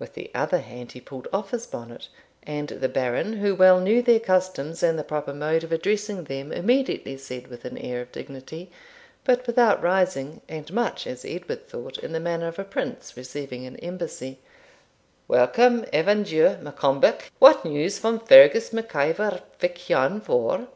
With the other hand he pulled off his bonnet, and the Baron, who well knew their customs, and the proper mode of addressing them, immediately said, with an air of dignity, but without rising, and much, as Edward thought, in the manner of a prince receiving an embassy, 'Welcome, Evan Dhu Maccombich; what news from Fergus Mac Ivor Vich lan Vohr?'